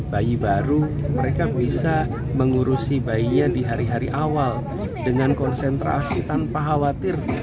bayi baru mereka bisa mengurusi bayinya di hari hari awal dengan konsentrasi tanpa khawatir